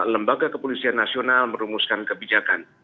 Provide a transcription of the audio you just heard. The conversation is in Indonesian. lembaga kepolisian nasional merumuskan kebijakan